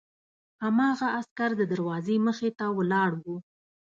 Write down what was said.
هماغه عسکر د دروازې مخې ته ولاړ و